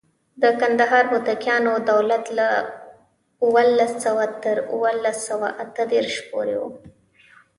د کندهار هوتکیانو دولت له اوولس سوه تر اوولس سوه اته دیرش پورې و.